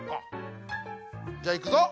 じゃあいくぞ！